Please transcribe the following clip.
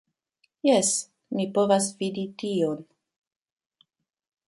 Jes, mi povas vidi tion